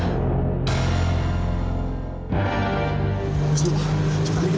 wisnu cepat lagi dong